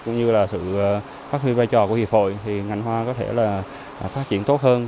cũng như là sự phát huy vai trò của hiệp hội thì ngành hoa có thể là phát triển tốt hơn